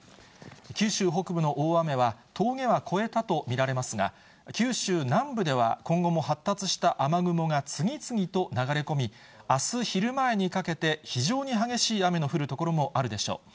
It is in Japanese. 九州北部の大雨は峠は越えたと見られますが、九州南部では、今後も発達した雨雲が次々と流れ込み、あす昼前にかけて、非常に激しい雨の降る所もあるでしょう。